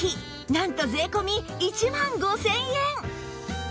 なんと税込１万５０００円